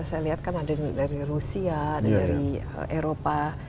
saya lihat kan ada dari rusia dari eropa